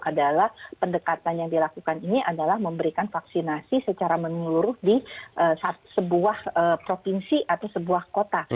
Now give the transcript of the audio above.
adalah pendekatan yang dilakukan ini adalah memberikan vaksinasi secara menyeluruh di sebuah provinsi atau sebuah kota